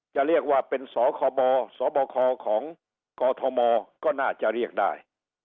จะเรียกว่าเป็นสคบสบคของกอทมก็น่าจะเรียกได้